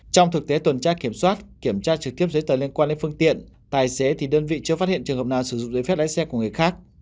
trong thực tế tuần tra kiểm soát kiểm tra trực tiếp giấy tờ liên quan đến phương tiện tài xế thì đơn vị chưa phát hiện trường hợp nào sử dụng giấy phép lái xe của người khác